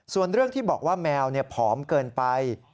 ส่วนเรื่องที่บอกว่าแมวผอมเกินไป